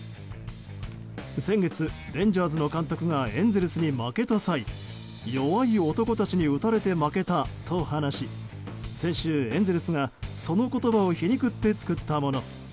先月、レンジャーズの監督がエンゼルスに負けた際弱い男たちに打たれて負けたと話し先週、エンゼルスがその言葉を皮肉って作ったもの。